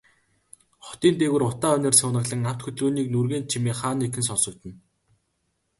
Хотын дээгүүр утаа униар суунаглан, авто хөдөлгөөний нүргээнт чимээ хаа нэгхэн сонсогдоно.